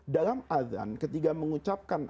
dalam adhan ketika mengucapkan